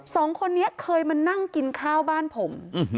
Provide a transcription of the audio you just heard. สองคนนี้เคยมานั่งกินข้าวบ้านผม